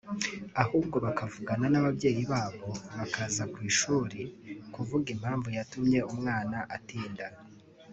ahubwo bakavugana n’ababyeyi babo bakaza ku ishuri kuvuga impamvu yatumye umwana atinda